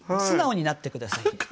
素直になって下さい。